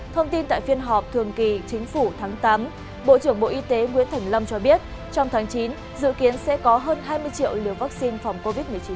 thông tin tại phiên họp thường kỳ chính phủ tháng tám bộ trưởng bộ y tế nguyễn thành lâm cho biết trong tháng chín dự kiến sẽ có hơn hai mươi triệu liều vụ